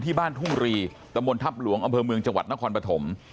ที่บ้านทุ่งรีตะมนทัพหลวงอำเภอเมืองจังหวัดนครปฐม